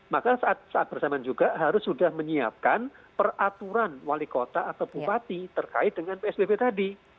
maka saat bersamaan juga harus sudah menyiapkan peraturan wali kota atau bupati terkait dengan psbb tadi